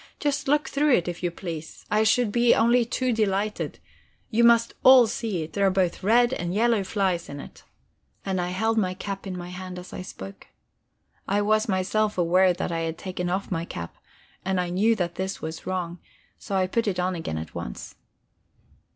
Just look through it, if you please; I should be only too delighted. You must all see it; there are both red and yellow flies in it." And I held my cap in my hand as I spoke. I was myself aware that I had taken off my cap, and I knew that this was wrong, so I put it on again at once.